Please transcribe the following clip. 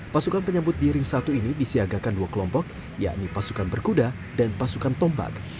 pasukan penyambut di ring satu ini disiagakan dua kelompok yakni pasukan berkuda dan pasukan tombak